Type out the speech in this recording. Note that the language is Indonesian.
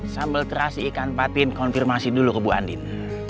sambal terasi ikan patin konfirmasi dulu ke bu andin